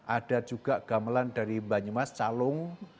ada juga gamelan dari banyumas calung